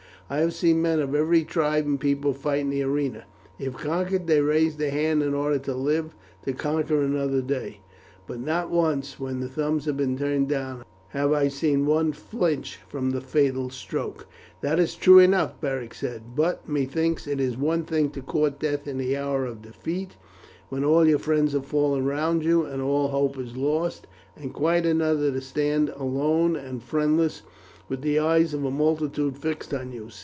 I have seen men of every tribe and people fight in the arena. If conquered, they raise their hand in order to live to conquer another day; but not once, when the thumbs have been turned down, have I seen one flinch from the fatal stroke." "That is true enough," Beric said; "but methinks it is one thing to court death in the hour of defeat, when all your friends have fallen round you, and all hope is lost, and quite another to stand alone and friendless with the eyes of a multitude fixed on you.